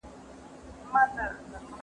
نه یوازي د جیولوجي یو لایق انجنیر وو